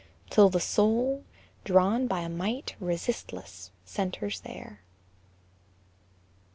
till the soul, Drawn by a might resistless, centres there!